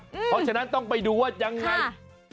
เพราะฉะนั้นต้องไปดูว่ายังไง